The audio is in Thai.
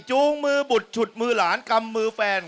จูงมือบุดฉุดมือหลานกำมือแฟน